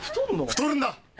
太るんだ！